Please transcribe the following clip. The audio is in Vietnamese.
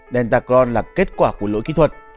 delta crohn là kết quả của lỗi kỹ thuật